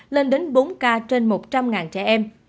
lên đến bốn ca trên một trăm linh trẻ em